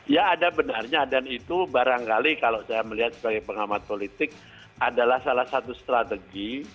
ya ada benarnya dan itu barangkali kalau saya melihat sebagai pengamat politik adalah salah satu strategi